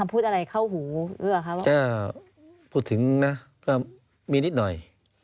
พูดถึงนะก็มีนิดหน่อย